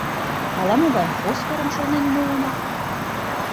Ала-могай фосфорым шонен муыныт!